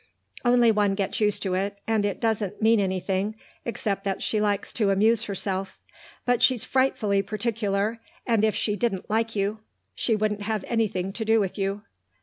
Only one gets used to it, and it doesn't mean anything except that she likes to amuse herself. But she's frightfully particular, and if she didn't like you she wouldn't have anything to do with you."